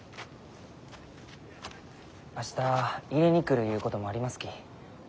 明日入れに来るゆうこともありますき。